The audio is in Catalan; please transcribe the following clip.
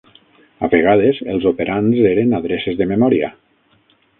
A vegades els operands eren adreces de memòria.